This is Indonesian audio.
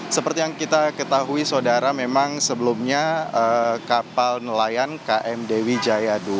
seperti yang kita ketahui saudara memang sebelumnya kapal nelayan km dewi jaya dua